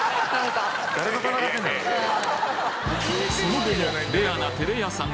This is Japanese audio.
その後もレアな照れ屋さん